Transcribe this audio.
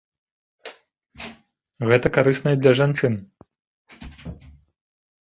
Гэта карысна і для жанчын.